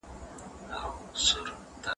راپاڅېږه چې د لندن ښار راښکاره شو.